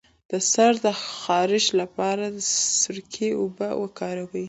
د سر د خارښ لپاره د سرکې اوبه وکاروئ